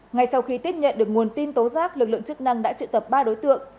ngay sau khi tiếp nhận được nguồn tin tố giác lực lượng chức năng đã trự tập ba đối tượng